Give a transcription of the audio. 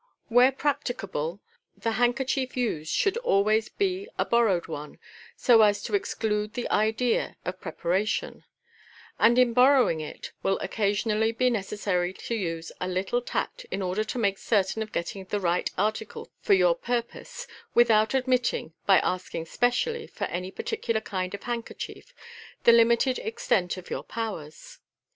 Where practicable, the handkerchief used should always be a borrowed one (so as to exclude the idea of preparation) 5 and in borrowing it will occasionally be necessary to use a little tact in order to make certain of getting the right article for your purpose, without admitting, by asking specially for any particular kind of handkerchief, the limited extent of your powers.